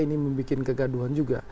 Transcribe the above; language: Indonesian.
ini membuat kegaduhan juga